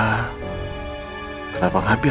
atau tanpa kamu sakit